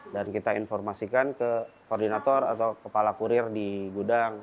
dan kita informasikan ke koordinator atau kepala kurir di gudang